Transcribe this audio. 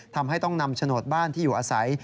ทำให้ต้องนำโฉนดบ้านที่อยู่อาศัย